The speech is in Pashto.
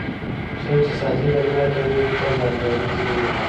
څوک چې صادق مینه کوي، تل یادګاري کېږي.